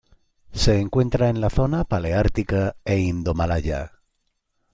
Se encuentra en la zona paleártica e indomalaya.